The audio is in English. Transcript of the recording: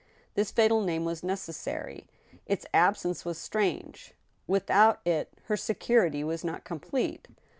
This^ fatal name was necessary. Its absence was strange ; without it her security was not complete.